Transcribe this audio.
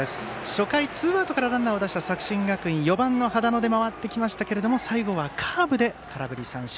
初回ツーアウトからランナーを出した作新学院、４番の羽田野に回ってきましたけども最後はカーブで空振り三振。